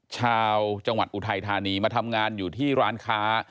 ชาวจังหวัดอุทัยธานีมาทำงานอยู่ที่ร้านค้า